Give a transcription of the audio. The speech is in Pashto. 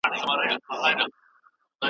نوي هویت د عربانو ژوند بدل کړ.